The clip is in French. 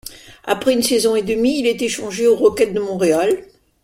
Après une saison et demie, il est échangé au Rocket de Montréal.